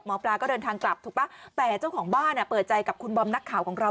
หมอปลาก็เดินทางกลับถูกป่ะแต่เจ้าของบ้านเปิดใจกับคุณบอมนักข่าวของเรา